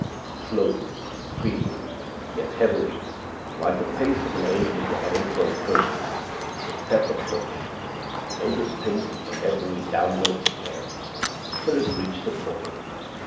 Slowly, feebly, yet heavily, like the pace of an aged and infirm person, the step approached, more distinct on every downward stair, till it reached the portal.